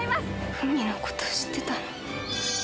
文のこと知ってたの？